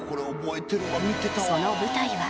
その舞台は。